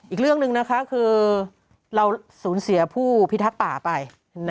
อีกเรื่องหนึ่งนะคะคือเราสูญเสียผู้พิทักษ์ป่าไป